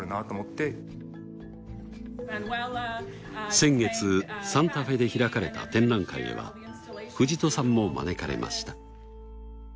先月サンタフェで開かれた展覧会へは藤戸さんも招かれました。